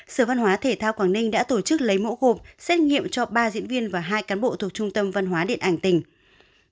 sở văn hóa thể thao quảng ninh đã tổ chức lấy mẫu gộp xét nghiệm cho ba diễn viên và hai cán bộ thuộc trung tâm văn hóa điện ảnh tỉnh